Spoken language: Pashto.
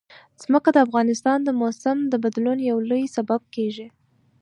ځمکه د افغانستان د موسم د بدلون یو لوی سبب کېږي.